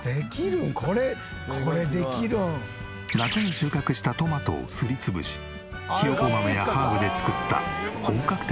「これこれできるん？」夏に収穫したトマトをすり潰しひよこ豆やハーブで作った本格的なソース。